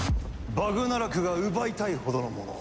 バグナラクが奪いたいほどのもの